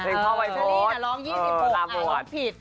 เพลงพ่อวัยพศนี่น่ะร้อง๒๖อ่ะร้องผิด